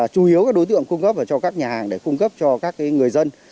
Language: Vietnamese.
chủ yếu các đối tượng cung cấp cho các nhà hàng để cung cấp cho các người dân